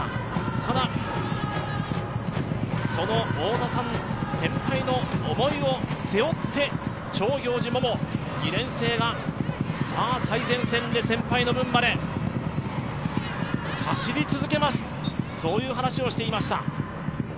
ただ、その太田さん、先輩の思いを背負って長行司百杏、２年生が最前線で先輩の分まで走り続けますそういう話をしていました。